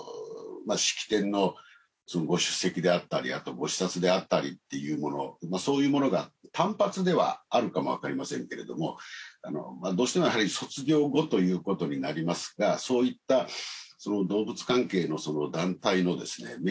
式典のご出席であったりあとご視察であったりっていうものそういうものが単発ではあるかもわかりませんけれどもどうしてもやはり卒業後ということになりますがそういった動物関係の団体のですね